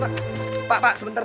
bisa di jelasin semuanya pak